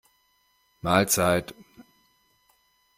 Mahlzeit!